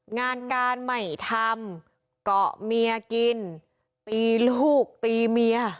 งานการไม่ทำเกาะเมียกินตีลูกตีเมีย